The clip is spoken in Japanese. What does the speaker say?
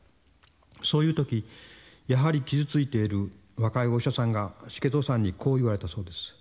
そういう時やはり傷ついている若いお医者さんが重藤さんにこう言われたそうです。